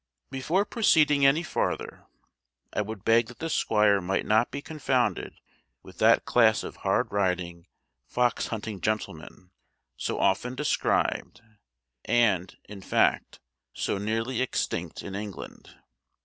Before proceeding any farther, I would beg that the squire might not be confounded with that class of hard riding, fox hunting gentlemen so often described, and, in fact, so nearly extinct in England.